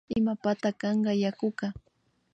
Imapata kanka yakuka